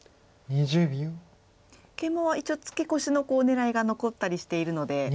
ケイマは一応ツケコシの狙いが残ったりしているので。